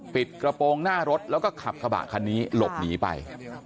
ปิดกระโปรงหน้ารถแล้วก็ขับกระบะคันนี้หลบหนีไป